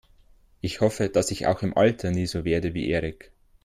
Ich hoffe, dass ich auch im Alter nie so werde wie Erik.